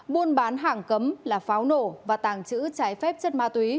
buôn bán hàng cấm là pháo nổ và tàng trữ trái phép chất ma túy